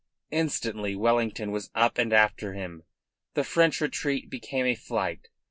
Instantly Wellington was up and after him. The French retreat became a flight.